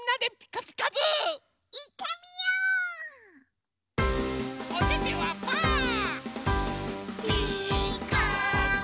「ピーカーブ！」